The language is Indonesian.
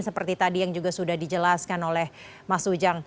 seperti tadi yang juga sudah dijelaskan oleh mas ujang